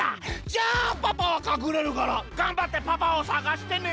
じゃあパパはかくれるからがんばってパパを探してね！